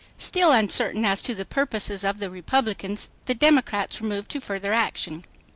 Still uncertain as to the purposes of the Republicans, the Democrats were moved to further action.